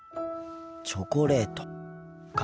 チョコレートか。